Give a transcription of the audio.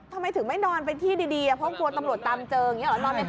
ทำไมถึงไม่นอนไปที่ดีเพราะกลัวตำรวจตามเจออย่างนี้หรอ